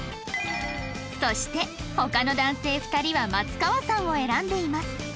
そして他の男性２人は松川さんを選んでいます